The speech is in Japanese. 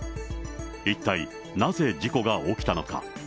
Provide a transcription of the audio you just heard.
一体なぜ事故が起きたのか。